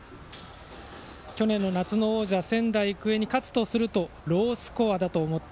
去年の夏の王者仙台育英に勝つとするとロースコアだと思った。